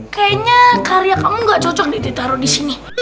kayanya karya kamu gak cocok nih ditaro disini